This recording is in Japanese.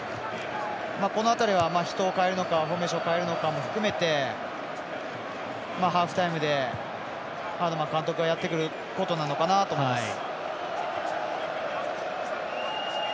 この辺りは人を代えるのかフォーメーションを変えるのかも含めてハーフタイムでハードマン監督がやってくることなのかなと思います。